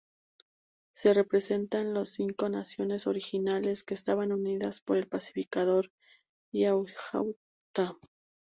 Se representa las cinco naciones originales que estaban unidas por el Pacificador Hiawatha.